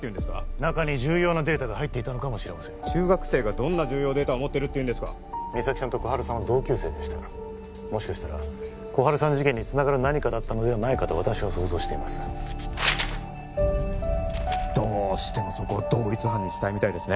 中に重要なデータが入っていたのかもしれません中学生がどんな重要データを持ってるっていうんですか実咲さんと心春さんは同級生でしたもしかしたら心春さんの事件につながる何かだったのではないかと私は想像していますどうしてもそこを同一犯にしたいみたいですね